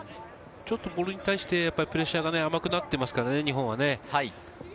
ボールに対してプレッシャーが甘くなっていますからね、日本は。